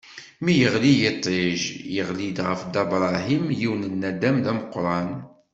Mi yeɣli yiṭij, iɣli-d ɣef Dda Bṛahim yiwen n naddam d ameqran.